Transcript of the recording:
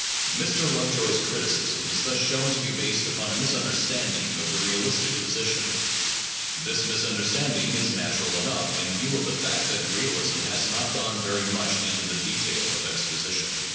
Mr. Lovejoy's criticism is thus shown to be based upon a misunderstanding of the realistic position. This misunderstand ing is natural enough in view of the fact that realism has not gone very much into the detail of exposition.